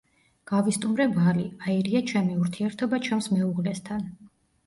გავისტუმრე ვალი, აირია ჩემი ურთიერთობა ჩემს მეუღლესთან.